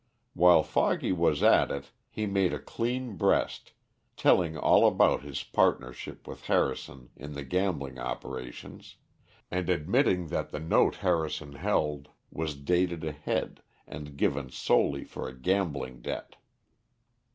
While Foggy was at it he made a clean breast, telling all about his partnership with Harrison in the gambling operations, and admitting that the note Harrison held was dated ahead and given solely for a gambling debt.